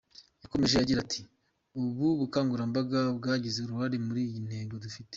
Yakomeje agira ati “Ubu bukangurambaga bwagize uruhare muri iyi ntego dufite.